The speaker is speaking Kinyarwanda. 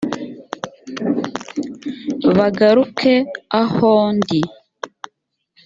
bagaruke aho ndi